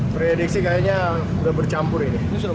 prediksi kayaknya udah bercampur ini